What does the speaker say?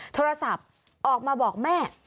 โทรศัพท์ออกมาบอกแม่